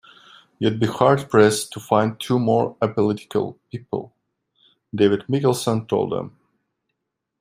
"You'd be hard-pressed to find two more apolitical people," David Mikkelson told them.